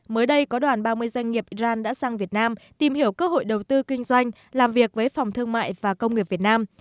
mới đây có đoàn ba mươi doanh nghiệp iran đã sang việt nam tìm hiểu cơ hội đầu tư kinh doanh làm việc với phòng thương mại và công nghiệp việt nam